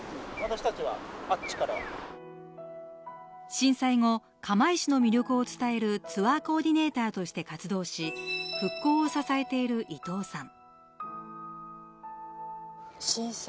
震災後、釜石の魅力を伝えるツアーコーディネーターとして活躍し、復興を支えている伊藤さん。